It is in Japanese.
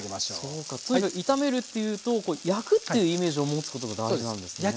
そうかとにかく炒めるっていうと焼くっていうイメージを持つことが大事なんですね。